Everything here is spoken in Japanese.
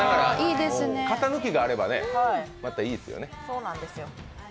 型抜きがあればまたいいですよね。